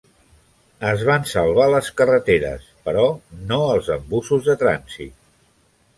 Es van salvar les carreteres , però no els embussos de trànsit.